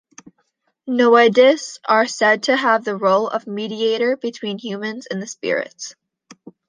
Noaidis are said to have the role of mediator between humans and the spirits.